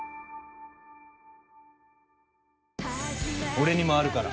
「俺にもあるから。